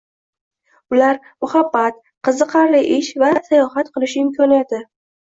Bular: muhabbat, qiziqarli ish va sayohat qilish imkoniyati.